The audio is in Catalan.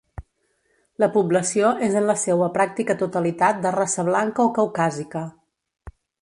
La població és en la seua pràctica totalitat de raça blanca o caucàsica.